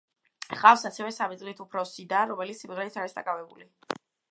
ჰყავს ასევე სამი წლით უფროსი და, რომელიც სიმღერით არის დაკავებული.